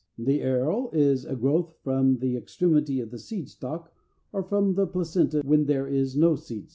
The aril is a growth from the extremity of the seed stalk, or from the placenta when there is no seed stalk.